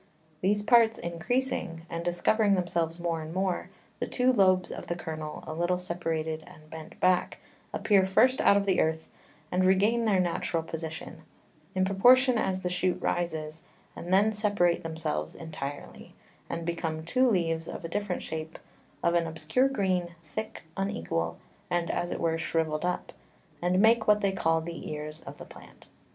These Parts encreasing, and discovering themselves more and more, the two Lobes of the Kernel a little separated and bent back, appear first out of the Earth, and regain their natural Position, in proportion as the Shoot rises, and then separate themselves intirely, and become two Leaves of a different Shape, of an obscure Green, thick, unequal, and, as it were, shrivel'd up, and make what they call the Ears of the Plant.